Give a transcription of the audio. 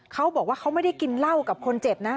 เขาบอกว่าเขาไม่ได้กินเหล้ากับคนเจ็บนะ